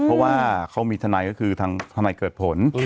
เพราะว่าเขามีทนายก็คือทางทนายเกิดผล